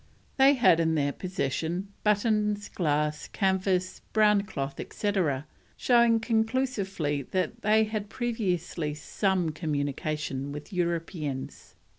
They had in their possession buttons, glass, canvas, brown cloth, etc., showing conclusively they had previously some communication with Europeans.